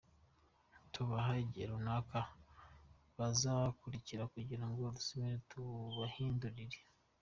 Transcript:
Tubaha igihe runaka bazagarukira kugirango dusuzume tubahindurire.